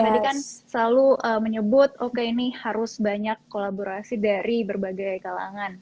tadi kan selalu menyebut oke ini harus banyak kolaborasi dari berbagai kalangan